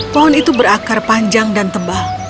pohon itu berakar panjang dan tebal